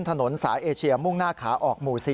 ถนนสายเอเชียมุ่งหน้าขาออกหมู่๔